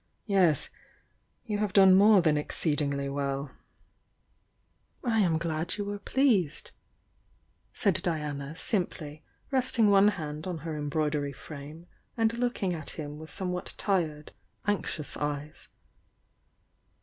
Yes— you have done more than exceedingly well " "I am glad you are pleased," said Diana, simply, resting one hand on her embroidery frame and look ing at him with somewhat tired, anxious eyes.